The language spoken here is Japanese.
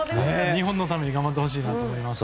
日本のために頑張ってほしいなと思います。